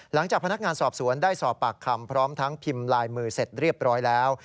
หลังจากพนักงานสอบสวนได้สอบปากคำพร้อมทั้งพิมพ์ลายมือเสร็จเรียบร้อยแล้ว